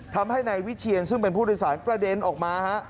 ทำให้นายวิเชียนซึ่งเป็นผู้โดยสารกระเด็นออกมาฮะ